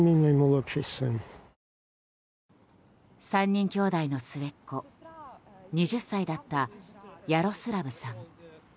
３人きょうだいの末っ子２０歳だったヤロスラブさん。